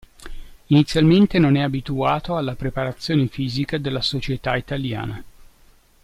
Inizialmente non è abituato alla preparazione fisica della società italiana.